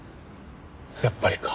やっぱりか。